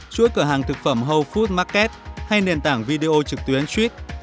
chuỗi cửa hàng thực phẩm whole foods market hay nền tảng video trực tuyến tweet